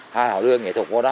họ đưa nghệ thuật vô đó